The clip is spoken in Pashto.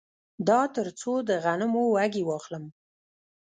دا تر څو د غنمو وږي واخلم